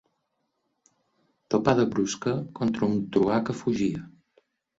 Topada brusca contra un truà que fugia.